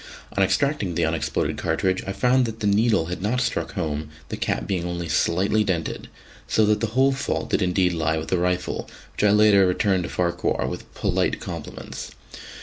On extracting the unexploded cartridge, I found that the needle had not struck home, the cap being only slightly dented; so that the whole fault did indeed lie with the rifle, which I later returned to Farquhar with polite compliments.